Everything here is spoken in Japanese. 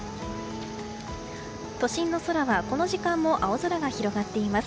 都心の空はこの時間も青空が広がっています。